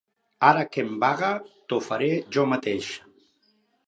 Ara que em vaga, t'ho faré jo mateix.